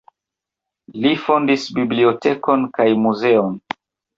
Li fondis bibliotekon kaj muzeon.